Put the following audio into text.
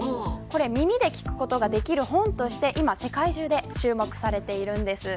耳で聴くことができる本として世界中で注目されているんです。